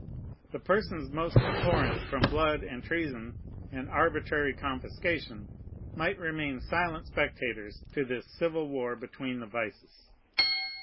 The persons most abhorrent from blood and treason and arbitrary confiscation might remain silent spectators of this civil war between the vices.